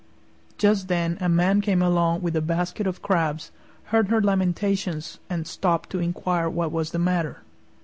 Just then a Man came along with a basket of crabs, heard her lamentations, and stopped to inquire what was the matter.